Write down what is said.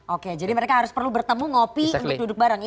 oke jadi mereka harus perlu bertemu ngopi untuk duduk bareng